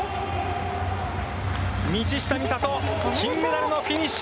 道下美里、金メダルのフィニッシュ。